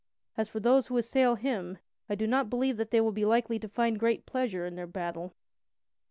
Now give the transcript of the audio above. As for those who assail him, I do not believe that they will be likely to find great pleasure in their battle."